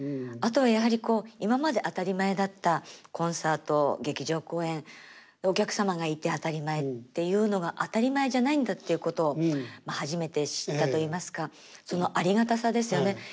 あとはやはりこう今まで当たり前だったコンサート劇場公演お客様がいて当たり前っていうのが当たり前じゃないんだっていうことを初めて知ったといいますかそのありがたさですよね。